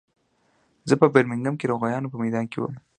زه په برمنګهم کې د غویانو په میدان کې وم